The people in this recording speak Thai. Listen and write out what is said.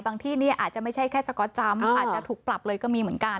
ที่นี่อาจจะไม่ใช่แค่สก๊อตจำอาจจะถูกปรับเลยก็มีเหมือนกัน